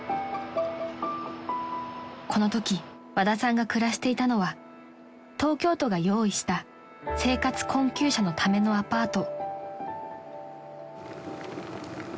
［このとき和田さんが暮らしていたのは東京都が用意した生活困窮者のためのアパート］